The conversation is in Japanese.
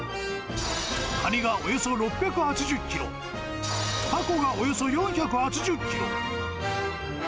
カニがおよそ６８０キロ、タコがおよそ４８０キロ。